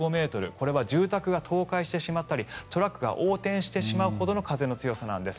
これは住宅が倒壊してしまったりトラックが横転してしまうほどの風の強さなんです。